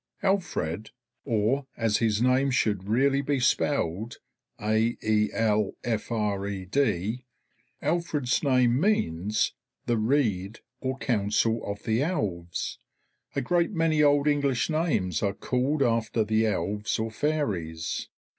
Alfred, or, as his name should really be spelled, Aelfred, [Footnote: That is, the rede or councel of the elves. A great many Old English names are called after the elves or fairies.